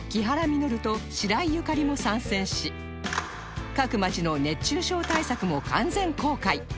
実と白井ゆかりも参戦し各街の熱中症対策も完全公開